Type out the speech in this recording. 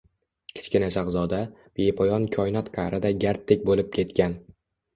Kichkina shahzoda, bepoyon koinot qa’rida garddek bo‘lib ketgan